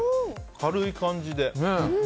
軽い感じで。